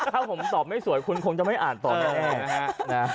ถ้าผมตอบไม่สวยคุณคงจะไม่อ่านต่อแน่